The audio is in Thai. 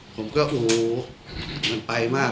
ผมก็โอ้โหมันไปมาก